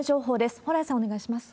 蓬莱さん、お願いします。